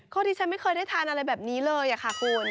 ก็ดิฉันไม่เคยได้ทานอะไรแบบนี้เลยค่ะคุณ